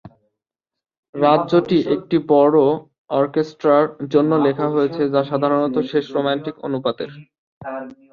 রাজ্যটি একটি বড় অর্কেস্ট্রার জন্য লেখা হয়েছে, যা সাধারণত শেষ রোমান্টিক অনুপাতের।